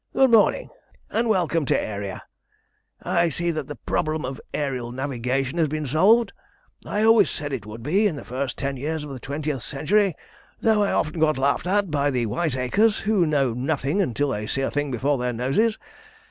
Good morning, and welcome to Aeria! I see that the problem of aërial navigation has been solved; I always said it would be in the first ten years of the twentieth century, though I often got laughed at by the wiseacres who know nothing until they see a thing before their noses.